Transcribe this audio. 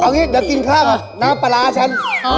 เอาเงี้ยเดี๋ยวกินข้าวค่ะน้ำปัลลาอาชัน